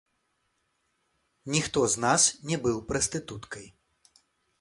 Ніхто з нас не быў прастытуткай!